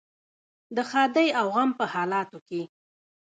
د ښادۍ او غم په حالاتو کې.